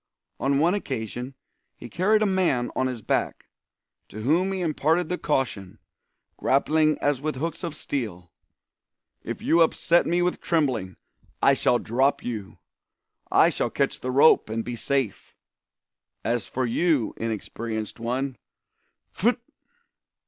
On one occasion he carried a man on his back, to whom he imparted the caution, "grappling as with hooks of steel": "If you upset me with trembling, I shall drop you! I shall catch the rope and be safe! As for you, inexperienced one _pfitt!